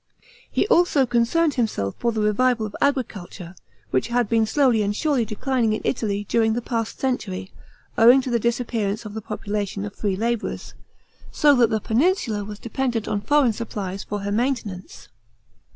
He also concerned himself for the revival of agriculture, which had been slowly and surely declining in Italy during the past century, owing to the disappearance of the population of free labourers, so that the peninsula was dependent on foreign supplies for her maintenance.